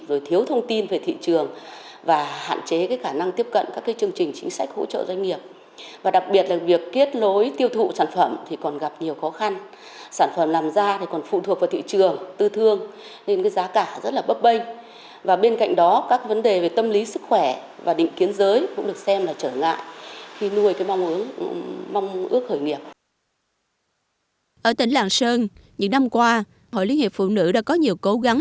ở tỉnh làng sơn những năm qua hội liên hiệp phụ nữ đã có nhiều cố gắng